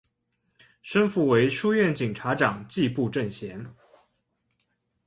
生父为书院警卫长迹部正贤。